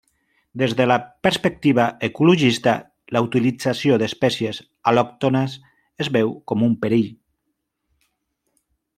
Des de la perspectiva ecologista la utilització d'espècies al·lòctones es veu com un perill.